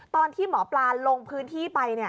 ตอนที่หมอปลาลงช่องออกผศนาภาพ